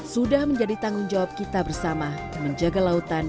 sudah menjadi tanggung jawab kita bersama menjaga lautan